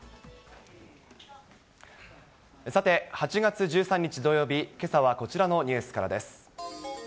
さて、８月１３日土曜日、けさはこちらのニュースからです。